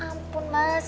ya ampun mas